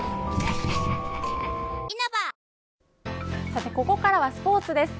さてここからはスポーツです。